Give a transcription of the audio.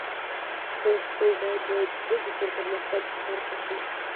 پښتو باید د ډیجیټل پرمختګ برخه شي.